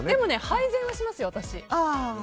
配膳はしますよ、私。